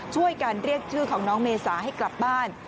ช่วยกันเรียกชื่อของน้องเมษาให้กลับบ้าน